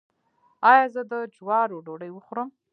ایا زه د جوارو ډوډۍ وخورم؟